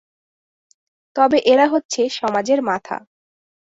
তবে এরা হচ্ছে সমাজের মাথা।